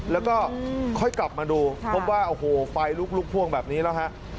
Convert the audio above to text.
แล้วก็ค่อยกลับมาดูพบว่าโอ้โหไฟลุกพ่วงแบบนี้แล้วฮะ